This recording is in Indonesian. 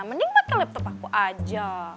mending pake laptop aku aja